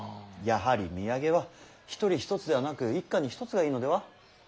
やはり土産は一人一つではなく一家に一つがいいのでは？